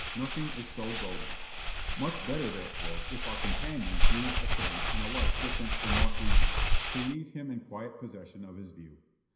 Nothing is so goading. Much better, therefore, if our companion views a thing in a light different from what we do, to leave him in quiet possession of his view.